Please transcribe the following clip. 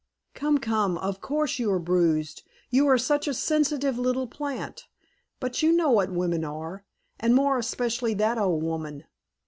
"Come, come. Of course you are bruised, you are such a sensitive little plant, but you know what women are, and more especially that old woman.